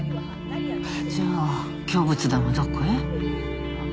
じゃあ京仏壇はどこへ？